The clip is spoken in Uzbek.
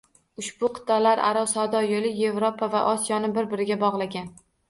Ushbu qitʼalararo savdo yoʻli Yevropa va Osiyoni bir-biriga bogʻlagan